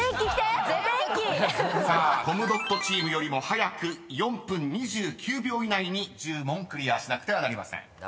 ［さあコムドットチームよりも早く４分２９秒以内に１０問クリアしなくてはなりません］